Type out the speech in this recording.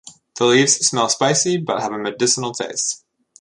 The leaves smell spicy but have a medicinal taste.